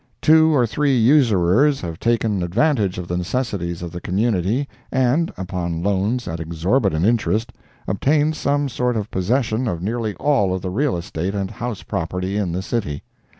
Two or three usurers have taken advantage of the necessities of the community and, upon loans at exorbitant interest, obtained some sort of possession of nearly all of the real estate and house property in the city.